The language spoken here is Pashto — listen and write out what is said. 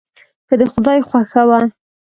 که د خدای خوښه وه.